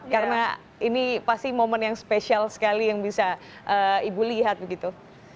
karena ini pasti momen yang spesial sekali yang bisa ibu lihat begitu